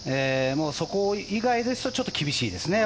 そこ以外ですとちょっと厳しいですね。